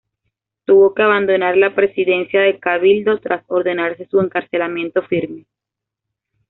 Tuvo que abandonar la presidencia del Cabildo tras ordenarse su encarcelamiento firme.